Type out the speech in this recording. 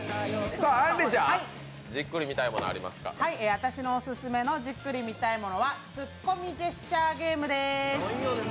私のオススメのじっくり見たいものは「ツッコミジェスチャーゲーム」です。